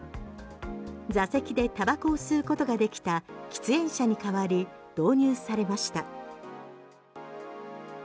座席でタバコを吸うことができた喫煙車に代わり導入されました。